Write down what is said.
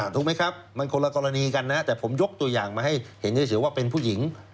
ถูกไหมครับมันคนละกรณีกันนะแต่ผมยกตัวอย่างมาให้เห็นเฉยว่าเป็นผู้หญิง